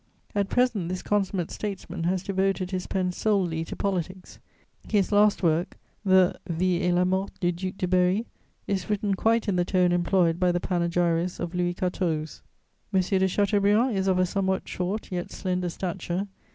At present this consummate statesman has devoted his pen solely to politics. His last work, the Vie et la mort du duc de Berry, is written quite in the tone employed by the panegyrists of Louis XIV. "M. de Chateaubriand is of a somewhat short, yet slender, stature.